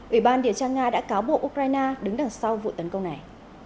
ủy ban điều tra nga đã cáo bộ ukraine đứng đằng sau vụ tấn công này